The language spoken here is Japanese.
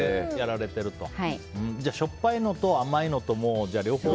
しょっぱいのと甘いの両方。